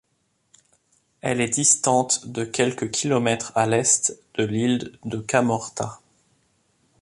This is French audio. Elle est distante de quelques kilomètres à l'est de l'île de Camorta.